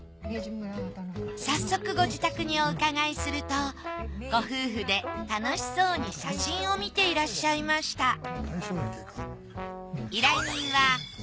早速ご自宅にお伺いするとご夫婦で楽しそうに写真を見ていらっしゃいました